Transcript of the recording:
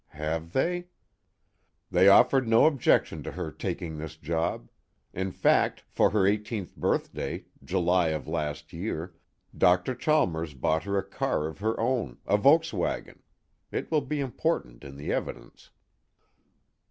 (Have they?) "They offered no objection to her taking this job. In fact for her eighteenth birthday, July of last year, Dr. Chalmers bought her a car of her own, a Volkswagen it will be important in the evidence."